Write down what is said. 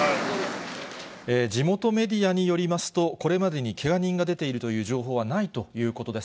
地元メディアによりますと、これまでにけが人が出ているという情報はないということです。